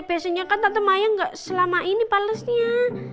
biasanya kan tante mayang gak selama ini balesnya